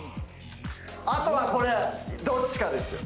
あとはこれ、どっちかです。